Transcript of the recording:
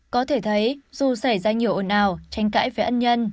có thể thấy dù xảy ra nhiều ồn ào tranh cãi về ân nhân